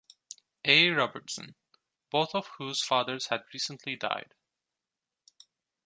A. Robertson, both of whose fathers had recently died.